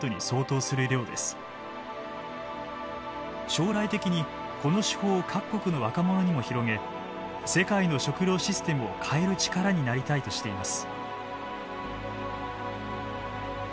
将来的にこの手法を各国の若者にも広げ世界の食料システムを変える力になりたいとしています。